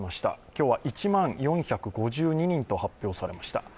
今日は１万４５２人と発表されました。